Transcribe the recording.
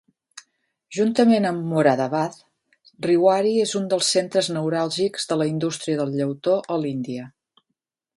Juntament amb Moradabad, Rewari és un dels centres neuràlgics de la indústria del llautó a l'Índia.